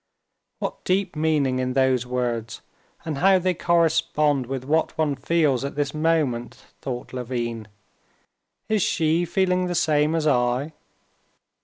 What deep meaning in those words, and how they correspond with what one feels at this moment," thought Levin. "Is she feeling the same as I?"